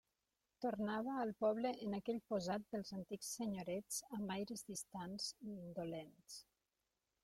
Tornava al poble en aquell posat dels antics senyorets amb aires distants i indolents.